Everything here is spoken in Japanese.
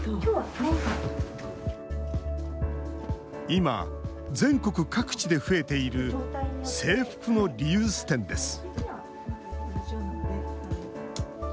今、全国各地で増えている制服のリユース店です。